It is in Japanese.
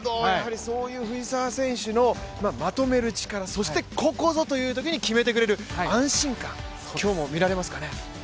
そういう藤澤選手のまとめる力、そしてここぞというときに決めてくれる安心感、今日も見られますかね。